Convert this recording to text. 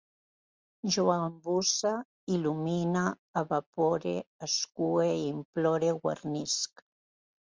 Jo embusse, il·lumine, evapore, escue, implore, guarnisc